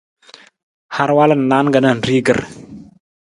Har walu na naan ka nanrigir.